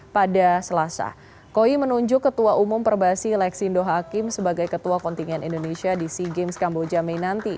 pada selasa koi menunjuk ketua umum perbasi leksindo hakim sebagai ketua kontingen indonesia di sea games kamboja mei nanti